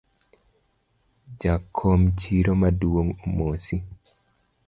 Jakom chiro maduong’ omosi